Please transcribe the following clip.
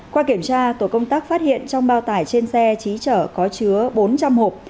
qua kiểm tra tổ công tác phát hiện trong bao tải trên xe chí chở có chứa bốn trăm linh hộp